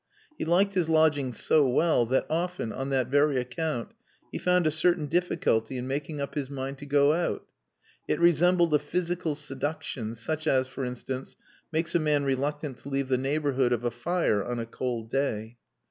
He liked his lodgings so well that often, on that very account, he found a certain difficulty in making up his mind to go out. It resembled a physical seduction such as, for instance, makes a man reluctant to leave the neighbourhood of a fire on a cold day.